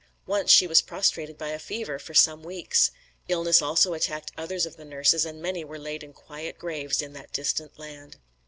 Once she was prostrated by fever for some weeks. Illness also attacked others of the nurses and many were laid in quiet graves in that distant land.